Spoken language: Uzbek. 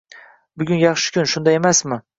Bugun yaxshi kun, shunday emasmi?